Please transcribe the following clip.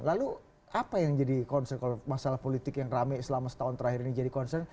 lalu apa yang jadi concern kalau masalah politik yang rame selama setahun terakhir ini jadi concern